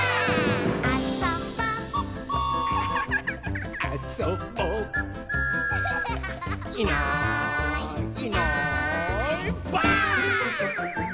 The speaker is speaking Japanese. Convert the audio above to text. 「あそぼ」「あそぼ」「いないいないばあっ！」